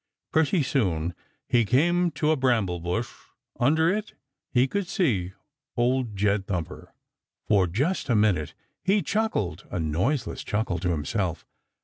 Pretty soon he came to a bramble bush, and under it he could see Old Jed Thumper. For just a minute he chuckled, a noiseless chuckle, to himself.